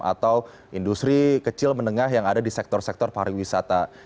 atau industri kecil menengah yang ada di sektor sektor pariwisata